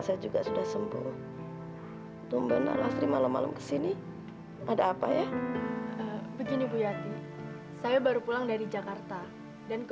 tegas sekali noraini nyuri priasanku